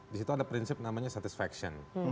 disitu ada prinsip namanya satisifasi